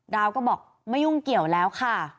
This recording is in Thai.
ดาวก็บอกไม่ยุ่งเกี่ยวแล้วค่ะ